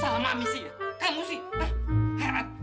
salah ami sih ya kamu sih